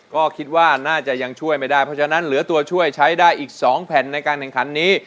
ก็คิดว่าน่าจะยังช่วยไม่ได้เพราะฉะนั้นเหลือตัวช่วยใช้ได้อีก๒แผ่นในการแข่งขันนี้